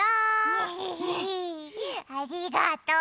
デヘヘヘーありがとう！